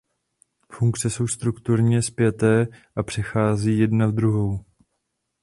Funkce jsou strukturně spjaté a přechází jedna v druhou.